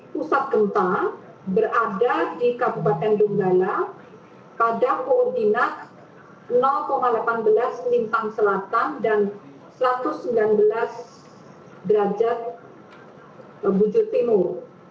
pusat gempa berada di kabupaten donggala pada koordinat delapan belas lintang selatan dan satu ratus sembilan belas derajat bujur timur